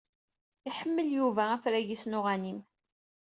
Iḥemmel Yuba afrag-is n uɣanim.